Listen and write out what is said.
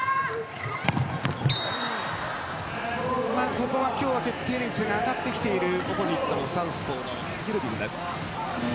ここは決定率が上がってきているオポジットのサウスポーのギュルビュズです。